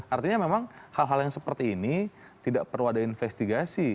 artinya memang hal hal yang seperti ini tidak perlu ada investigasi